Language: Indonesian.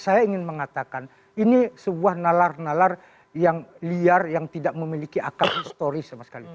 saya ingin mengatakan ini sebuah nalar nalar yang liar yang tidak memiliki akar historis sama sekali